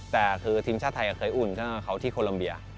แต่คือทีมชาติไทยเคยอุ่นเท่ากับเขาที่โคลัมเบีย